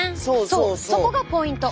そうそこがポイント！